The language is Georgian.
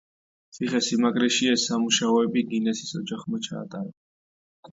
ციხე-სიმაგრეში ეს სამუშაოები გინესის ოჯახმა ჩაატარა.